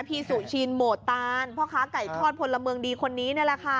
พี่สุชินโหมดตานพ่อค้าไก่ทอดพลเมืองดีคนนี้นี่แหละค่ะ